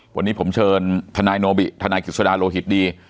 วันนี้ผมเชิญทนายโนบิทนายกิจสดาโลหิตดี